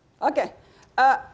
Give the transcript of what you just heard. terima kasih sama antar napi